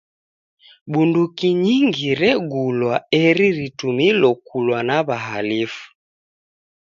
Bunduki nyingi regulwa eri ritumilo kulwa na w'ahalifu.